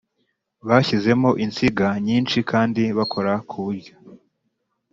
Bashyizemo insinga nyinshi kandi bakora ku buryo